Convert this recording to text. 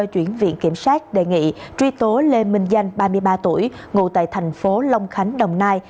chuyển viện kiểm sát đề nghị truy tố lê minh danh ba mươi ba tuổi ngụ tại thành phố long khánh đồng nai